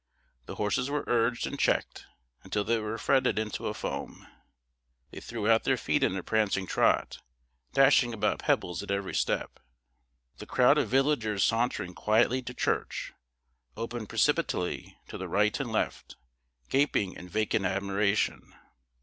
The horses were urged and checked, until they were fretted into a foam. They threw out their feet in a prancing trot, dashing about pebbles at every step. The crowd of villagers sauntering quietly to church opened precipitately to the right and left, gaping in vacant admiration.